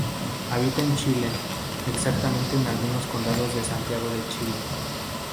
Habita en Chile.Exactamente en algunos condados de Santiago de Chile.